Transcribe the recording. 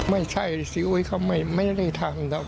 ไม่ใช่ศรีอุ่ยเขาไม่ได้ทำ